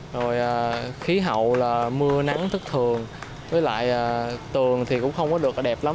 rồi khí hậu là mưa nắng thất thường với lại tường thì cũng không có được đẹp lắm